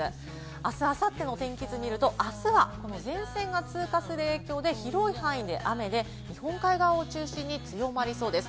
あす、あさっての天気図を見ると、あすは前線が通過する影響で広い範囲で雨で、日本海側を中心に強まりそうです。